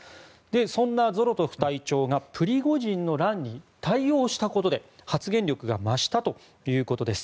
そんなゾロトフ隊長がプリゴジンの乱に対応したことで発言力が増したということです。